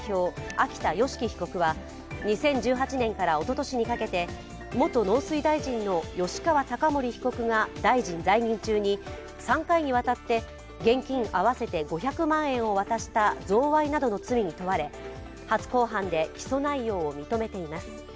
秋田善祺被告は２０１８年からおととしにかけて元農水大臣の吉川貴盛被告が大臣在任中に３回にわたって現金合わせて５００万円を渡した贈賄などの罪に問われ初公判で基礎内容を認めています。